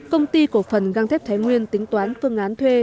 công ty cổ phần găng thép thái nguyên tính toán phương án thuê